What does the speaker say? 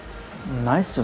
ないっすよ